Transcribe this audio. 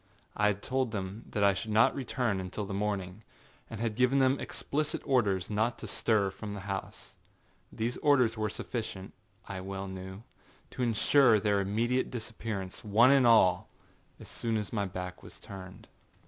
I had told them that I should not return until the morning, and had given them explicit orders not to stir from the house. These orders were sufficient, I well knew, to insure their immediate disappearance, one and all, as soon as my back was turned.